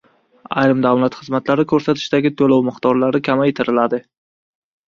Ayrim davlat xizmatlari ko‘rsatishdagi to‘lov miqdorlari kamaytiriladi